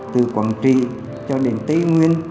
từ quảng trị cho đến tây nguyên